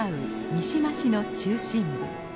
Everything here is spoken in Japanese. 三島市の中心部。